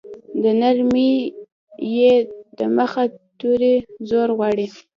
د نرمې ی د مخه توری زور غواړي.